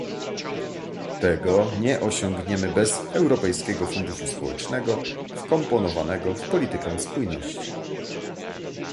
Tego nie osiągniemy bez Europejskiego Funduszu Społecznego wkomponowanego w politykę spójności